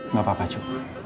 gak apa apa cu